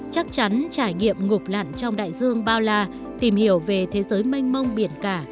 chắc chắn trải nghiệm ngục lặn trong đại dương bao la tìm hiểu về thế giới mênh mông biển cả